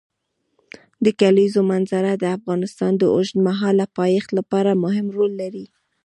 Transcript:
د کلیزو منظره د افغانستان د اوږدمهاله پایښت لپاره مهم رول لري.